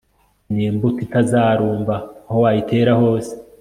ni imbuto itazarumba aho wayitera hose